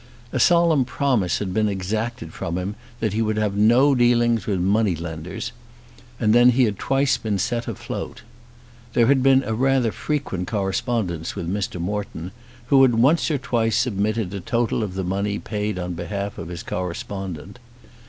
A solemn promise had been exacted from him that he would have no dealings with money lenders; and then he had been set afloat. There had been a rather frequent correspondence with Mr. Morton, who had once or twice submitted a total of the money paid on behalf of his correspondent.